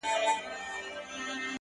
ستا غمونه مي د فكر مېلمانه سي!!